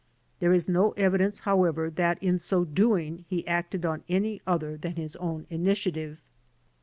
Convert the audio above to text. There is no evidence, how ever, that in so doing he acted on any other than his own initiative.